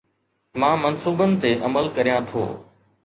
مان منصوبن تي عمل ڪريان ٿو